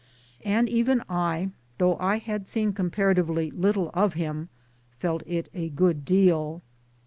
And even I though I had seen com'paratively little of him felt it a good deal.